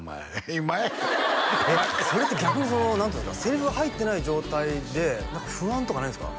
今それって逆に何て言うんですかセリフが入ってない状態で何か不安とかないんですか？